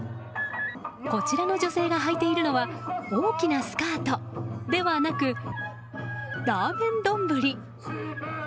こちらの女性がはいているのは大きなスカートではなくラーメン丼。